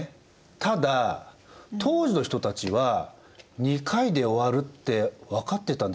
ただ当時の人たちは２回で終わるって分かってたんでしょうか？